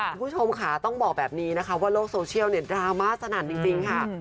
คุณผู้ชมค่ะต้องบอกแบบนี้นะคะว่าโลกโซเชียลเนี่ยดราม่าสนั่นจริงค่ะ